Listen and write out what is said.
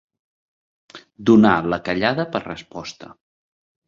Donar la callada per resposta.